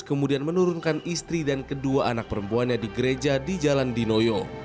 kemudian menurunkan istri dan kedua anak perempuannya di gereja di jalan dinoyo